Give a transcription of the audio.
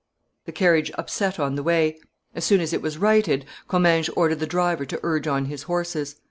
The carriage upset on the way; as soon as it was righted, Comminges ordered the driver to urge on his horses.